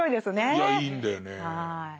いやいいんだよね。